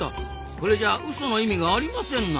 これじゃあウソの意味がありませんな。